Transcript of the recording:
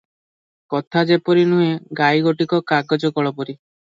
କଥା ସେପରି ନୁହେଁ, ଗାଈ ଗୋଟିକ କାଗଜକଳପରି ।